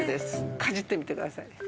かじってみてください。